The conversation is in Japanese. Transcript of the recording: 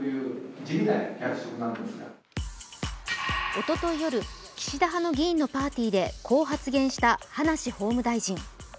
おととい夜、岸田派の議員のパーティーでこう発言した葉梨法務大臣。